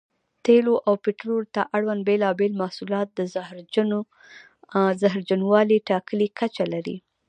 تېلو او پټرولیم ته اړوند بېلابېل محصولات د زهرجنوالي ټاکلې کچه لري.